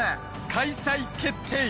開催決定！